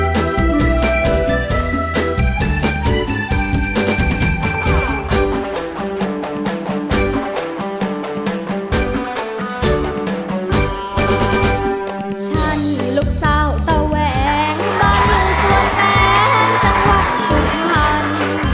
ฉันลูกสาวตะแหวงบ้านลูกส่วนแปนจังหวัดชุดทัน